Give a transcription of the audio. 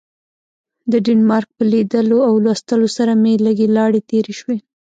د ډنمارک په لیدلو او لوستلو سره مې لږې لاړې تیرې شوې.